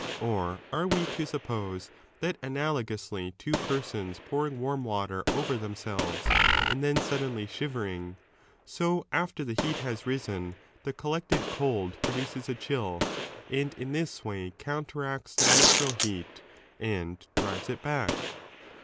Or are we to suppose that analogously to persons pouring warm water over them selves and then suddenly shivering, so alter the heat has risen, the collected cold produces a chill and in this way 21 counteracts the natural heat and drives it back